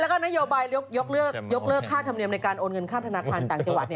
แล้วก็นโยบายยกเลิกค่าธรรมเนียมในการโอนเงินค่าธนาคารต่างจังหวัด